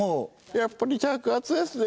やっぱり着圧ですね。